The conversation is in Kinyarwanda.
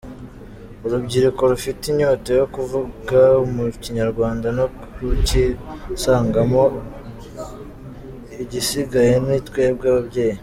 Urubyiruko rufite inyota yo kuvuga mu Kinyarwanda no kucyisangamo, igisigaye ni twebwe ababyeyi.